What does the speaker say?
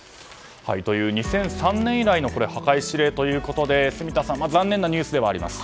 ２００３年以来の破壊指令ということで住田さん、残念なニュースではあります。